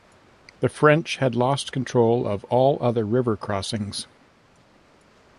The French had lost control of all other river crossings.